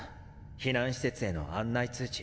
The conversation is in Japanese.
避難施設への案内通知。